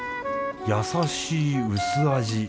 優しい薄味。